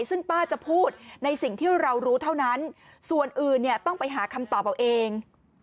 ซึ่งป้าจะพูดในสิ่งที่เรารู้เท่านั้นส่วนอื่นเนี่ยต้องไปหาคำตอบเอาเอง